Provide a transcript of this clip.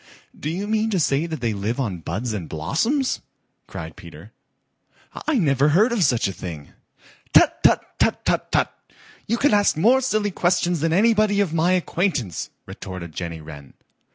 "Do you mean to say that they live on buds and blossoms?" cried Peter. "I never heard of such a thing." "Tut, tut, tut, tut, tut! You can ask more silly questions than anybody of my acquaintance," retorted Jenny Wren.